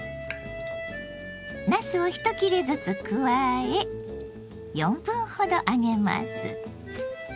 なすを１切れずつ加え４分ほど揚げます。